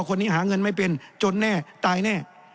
คนนี้หาเงินไม่เป็นจนแน่ตายแน่